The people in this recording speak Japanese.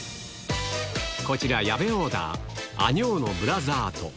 こちら、矢部オーダー、アニョーのブラザート。